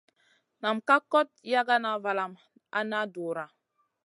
Nam ka kot yagana valam a na dura.